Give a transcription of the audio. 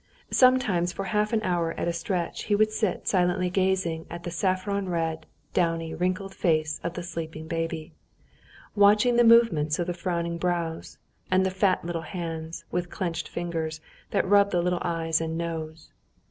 Sometimes for half an hour at a stretch he would sit silently gazing at the saffron red, downy, wrinkled face of the sleeping baby, watching the movements of the frowning brows, and the fat little hands, with clenched fingers, that rubbed the little eyes and nose.